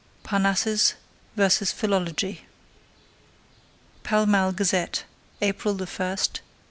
PARNASSUS VERSUS PHILOLOGY (Pall Mall Gazette, April 1, 1885.)